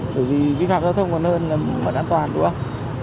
bởi vì vi phạm giao thông còn hơn là mất an toàn đúng không